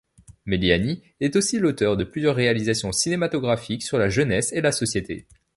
Meliani est aussi l'auteur de plusieurs réalisations cinématographiques sur la jeunesse et la société.